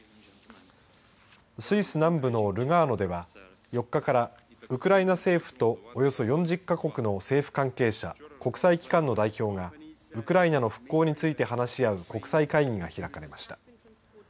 スイス南部のルガーノでは４日からウクライナ政府とおよそ４０か国の政府関係者国際機関の代表がウクライナ復興について話し合う国際会議が開かれました。